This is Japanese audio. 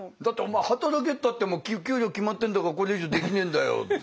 だってお前働けったって給料決まってんだからこれ以上できねえんだよ。